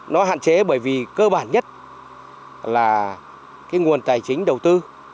nó hạn chế bởi vì cơ bản nhất là cái nguồn tài chính đầu tư